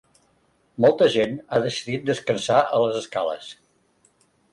Molta gent ha decidit descansar a les escales.